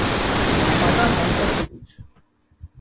পাতা হালকা সবুজ।